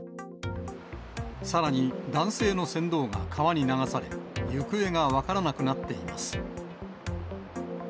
さらに男性の船頭が川に流され、行方が分からなくなっています。